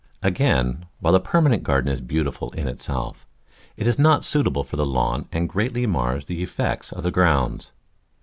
Again, while the permanent garden is beautiful in itself, it is not suitable for the lawn and greatly mars the effect of the grounds.